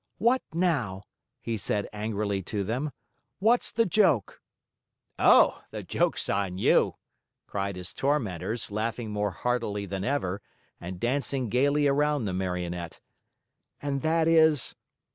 "What now?" he said angrily to them. "What's the joke?" "Oh, the joke's on you!" cried his tormentors, laughing more heartily than ever, and dancing gayly around the Marionette. "And that is